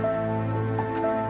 nanti bu mau ke rumah